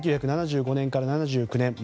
１９７５年から７９年